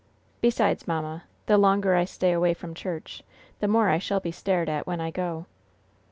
Besides, mamma, the longer I stay away from church, the more I shall be stared at when I go."